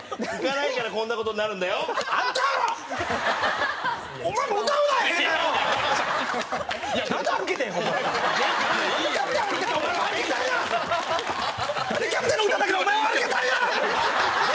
なんで『キャプテン』の歌だけでお前は歩けたんや！